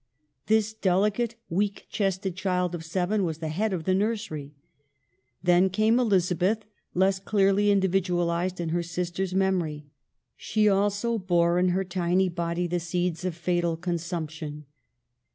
This delicate, weak chested child of seven was the head of the nursery. Then came Elizabeth, less clearly individualized in her sisters' mem ory. She also bore in her tiny body the seeds of fatal consumption.